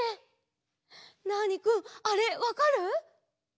ナーニくんあれわかる？